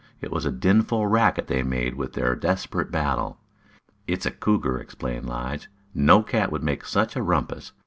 It was a dinful racket they made in their desperate battle. "It's a cougar," explained Lige. "No cat would make such a rumpus.